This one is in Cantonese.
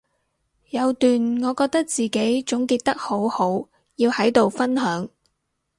有段我覺得自己總結得好好要喺度分享